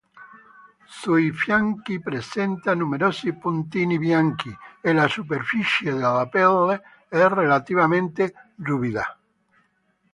Sui fianchi presenta numerosi puntini bianchi e la superficie della pelle è relativamente ruvida.